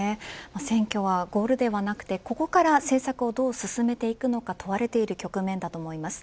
選挙はゴールではなくてここから政策をどう進めていくのか問われている局面だと思います。